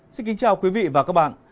xin kính chào quý vị và các bạn